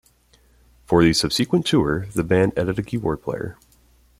For the subsequent tour the band added a key-board player.